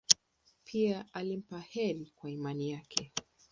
Pia alimpa heri kwa imani yake.